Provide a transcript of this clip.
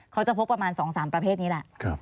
เขาจะพบประมาณ๒๓ประเภทนี้แหละ